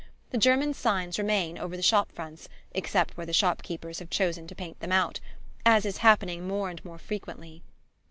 The German signs remain over the shop fronts except where the shop keepers have chosen to paint them out; as is happening more and more frequently.